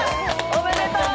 おめでとう。